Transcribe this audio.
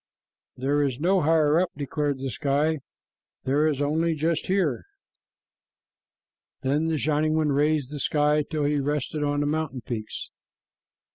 "There is no 'higher up,'" declared the sky. "There is only just here." Then the Shining One raised the sky till he rested on the mountain peaks.